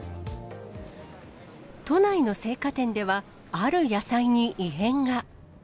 都内の青果店では、ある野菜に異変が。